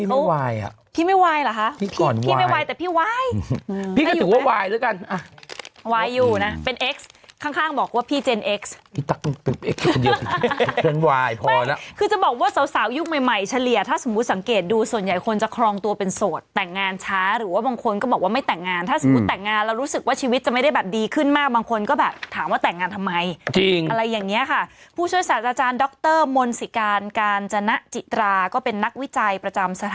แต่พี่วายพี่ก็ถือว่าวายด้วยกันวายอยู่นะเป็นเอ็กซ์ข้างบอกว่าพี่เจนเอ็กซ์เป็นวายพอแล้วคือจะบอกว่าสาวยุคใหม่เฉลี่ยถ้าสมมุติสังเกตดูส่วนใหญ่คนจะครองตัวเป็นโสดแต่งงานช้าหรือว่าบางคนก็บอกว่าไม่แต่งงานถ้าสมมุติแต่งงานแล้วรู้สึกว่าชีวิตจะไม่ได้แบบดีขึ้นมากบางคนก็แบบถาม